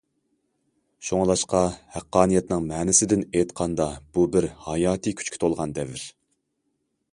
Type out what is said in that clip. شۇڭلاشقا، ھەققانىيەتنىڭ مەنىسىدىن ئېيتقاندا، بۇ بىر ھاياتىي كۈچكە تولغان دەۋر.